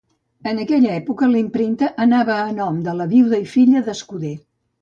En aquella època la impremta anava a nom de la viuda i filla d'Escuder.